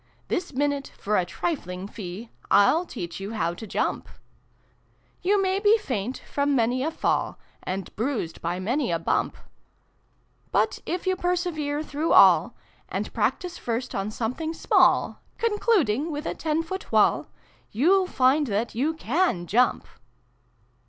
This minute, for a trifling fee, Til teach you how to jump !" You may be faint from many a fall, And bruised by many a bump: But, if you persevere through all, And practise first on something small, Concluding with a ten foot wall, You'll find that you can jump